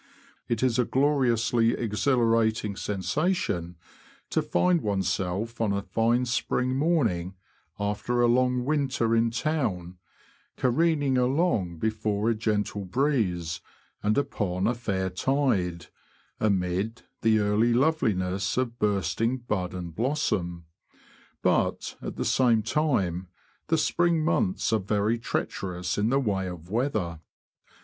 It is a gloriously exhilarating sensation to find oneself, on a fine spring morning, after a long winter in Town, careening along before a gentle breeze, and upon a fair tide, amid the early love liness of bursting bud and blossom ; but, at the same time, the spring months are very treacherous in the way of weather.